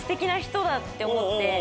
だって思って。